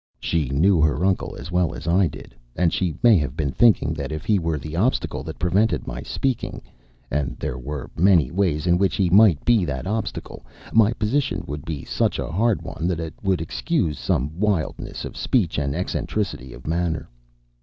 She knew her uncle as well as I did, and she may have been thinking that, if he were the obstacle that prevented my speaking (and there were many ways in which he might be that obstacle), my position would be such a hard one that it would excuse some wildness of speech and eccentricity of manner.